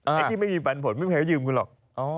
ไอ้ที่ไม่มีปันผลไม่มีใครเขายืมคุณหรอก